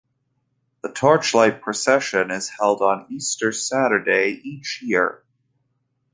The torchlight procession is held on Easter Saturday each year.